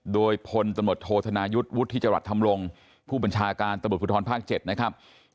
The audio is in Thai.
โดยพลตำรวจโทษธนายุทธ์วุฒิจรัสธรรมลงผู้บัญชาการตำรวจภูทรภาค๗นะครับ